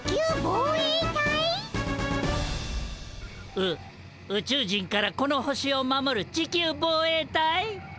う宇宙人からこの星を守る地球防衛隊？